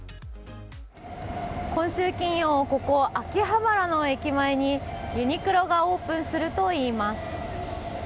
今週金曜、ここ秋葉原の駅前にユニクロがオープンするといいます。